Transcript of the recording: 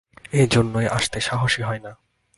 এইজন্যই আসতে সাহসই হয় না।